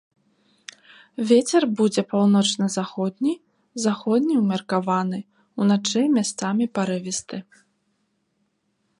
Вецер будзе паўночна-заходні, заходні ўмеркаваны, уначы месцамі парывісты.